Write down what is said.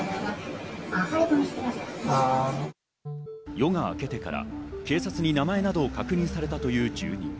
夜があけてから警察に名前など確認されたという住人。